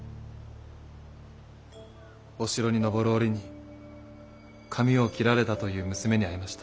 お城に上る折に髪を切られたという娘に会いました。